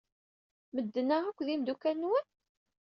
Medden-a akk d imeddukal-nwen?